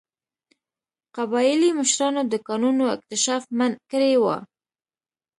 قبایلي مشرانو د کانونو اکتشاف منع کړی و.